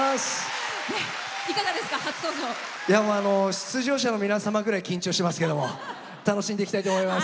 出場者の皆様ぐらい緊張していますけれども楽しんでいきたいと思います。